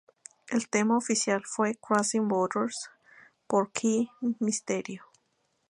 El Tema oficial fue "Crossing Borders" por Rey Mysterio.